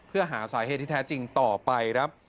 เพื่อหาสาเหตุที่แท้จริงต่อไปครับ